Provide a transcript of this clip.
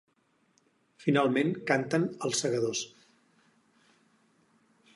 Finalment canten ‘Els Segadors’.